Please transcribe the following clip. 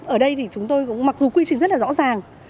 ở đây thì chúng tôi cũng mặc dù quy trình rất là rõ ràng